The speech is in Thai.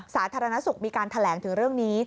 สาธารณสุขมีการแถลงถึงเรื่องนี้